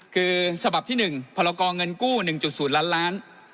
คือฉบับที่๑พรกรเงินกู้๑๐ล้านล้าน